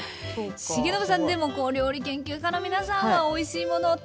重信さんでも料理研究家の皆さんはおいしいもの